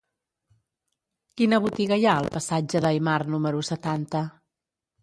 Quina botiga hi ha al passatge d'Aymar número setanta?